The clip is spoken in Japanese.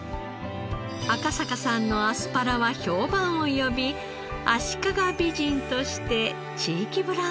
赤坂さんのアスパラは評判を呼びあしかが美人として地域ブランドにも認定。